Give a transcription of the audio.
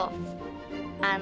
aku mau jalan jalan